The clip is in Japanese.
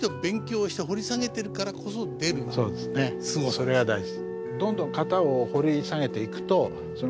それが大事。